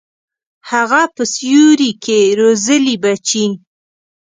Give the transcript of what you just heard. هغه په سیوري کي روزلي بچي